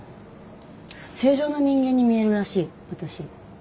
正常な人間に見えるらしい私。